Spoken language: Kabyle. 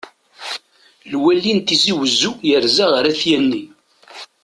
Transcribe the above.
Lwali n tizi wezzu yerza ɣer At yanni.